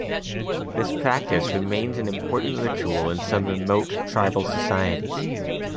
This practice remains an important ritual in some remote, tribal societies.